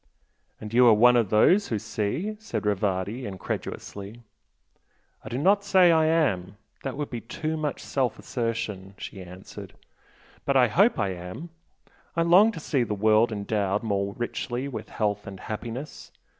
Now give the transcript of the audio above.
"And you are one of 'those who see'? " said Rivardi, incredulously. "I do not say I am, that would be too much self assertion" she answered "But I hope I am! I long to see the world endowed more richly with health and happiness.